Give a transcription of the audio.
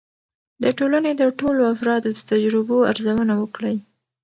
د ټولنې د ټولو افرادو د تجربو ارزونه وکړئ.